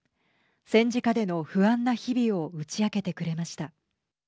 戦時下での不安な日々を打ち明けてくれました。